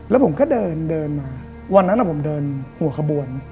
แล้วผมก็เดินเดินมาวันนั้นผมเดินหัวขบวน